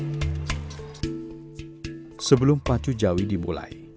seluruh penonton telah memenuhi area di pinggir sawah